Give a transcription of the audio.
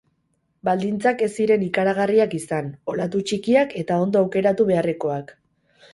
Baldintzak ez ziren ikaragarriak izan, olatu txikiak eta ondo aukeratu beharrekoak.